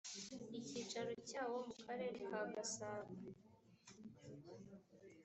icyicaro cyawo mu karere ka gasabo